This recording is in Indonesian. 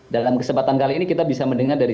dalam kesempatan kali ini kita bisa mendengar dari